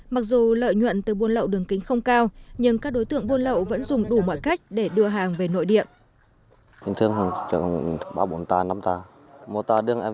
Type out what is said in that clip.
mặc dù lợi nhuận từ buôn lậu đường kính không cao nhưng các đối tượng buôn lậu vẫn dùng đủ mọi cách để đưa hàng về nội địa